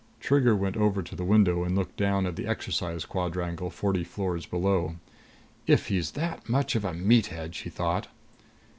Trigger went over to the window and looked down at the exercise quadrangle forty floors below. "If he's that much of a meathead!" she thought.